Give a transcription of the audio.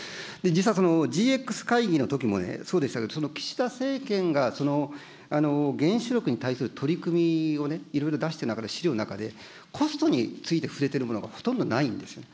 実は、ＧＸ会議のときもそうでしたけど、岸田政権が原子力に対する取り組みをいろいろ出してる資料の中で、コストについて触れてる部分、ほとんどないんですよね。